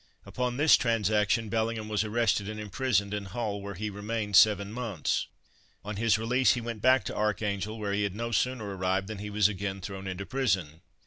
Upon this transaction Bellingham was arrested and imprisoned in Hull, where he remained seven months. On his release he went back to Archangel, where he had no sooner arrived than he was again thrown into prison.